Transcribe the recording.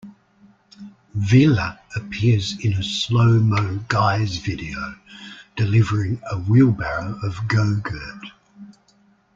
Vila appears in a Slow Mo Guys video delivering a wheelbarrow of Go-Gurt.